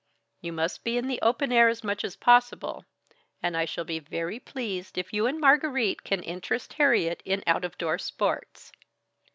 You must be in the open air as much as possible; and I shall be very pleased if you and Margarite can interest Harriet in out of door sports.